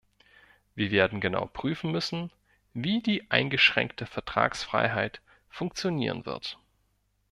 Wir werden genau prüfen müssen, wie die eingeschränkte Vertragsfreiheit funktionieren wird.